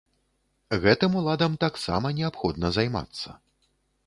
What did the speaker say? Гэтым уладам таксама неабходна займацца.